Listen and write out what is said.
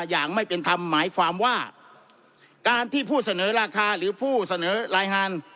อย่างไม่เป็นธรรมหมายความว่าการที่ผู้เสนอราคาหรือผู้เสนอรายฮาน